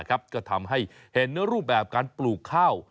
ก็ทำให้เห็นรูปแบบการปลูกข้าว